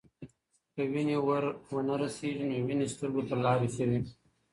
که وینې ور ونه رسیږي، نو وینې سترګو ته لارې کوي.